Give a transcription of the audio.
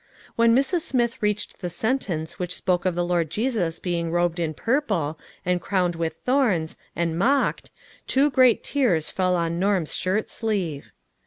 When Mrs. Smith reached the sentence which told of the Lord Jesus being robed in purple, AN ORDEAL. 299 and crowned with thorns, and mocked, two great tears fell on Norm's shirt sleeve.